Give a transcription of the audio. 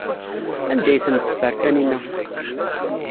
Anda ay tent-teffer Taninna?